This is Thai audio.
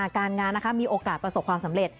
การงานมีโอกาสประสบความสำเร็จ